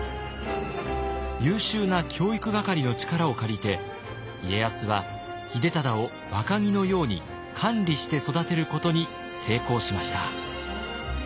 優秀な教育係の力を借りて家康は秀忠を若木のように管理して育てることに成功しました。